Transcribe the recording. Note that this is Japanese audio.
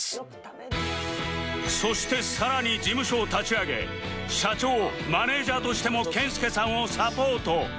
そしてさらに事務所を立ち上げ社長マネジャーとしても健介さんをサポート